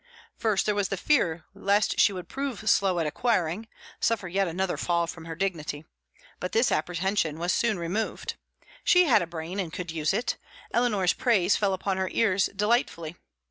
First there was the fear lest she should prove slow at acquiring, suffer yet another fall from her dignity; but this apprehension was soon removed. She had a brain, and could use it; Eleanor's praise fell upon her ears delightfully.